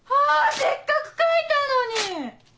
せっかく書いたのに！